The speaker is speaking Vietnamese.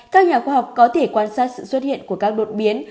các nhà khoa học có thể quan sát sự xuất hiện của các đột biến